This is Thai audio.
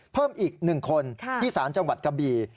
เพิ่มอีก๑คนที่สารจังหวัดกะบี่